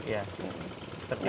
ya seperti itu